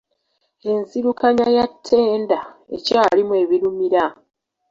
Enzirukanya ya ttenda ekyalimu ebirumira.